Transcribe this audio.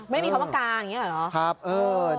ไม่มีคำว่ากาอย่างนี้หรอ